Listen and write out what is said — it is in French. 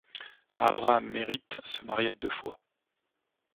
Abraham Merritt se maria deux fois.